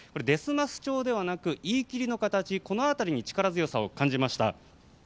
ですます調ではなく言い切りの形この辺りに力強さを感じました。